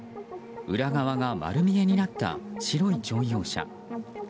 裏側が丸見えになった白い乗用車。